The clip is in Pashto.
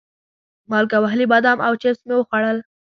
مالګه وهلي بادام او چپس مې وخوړل.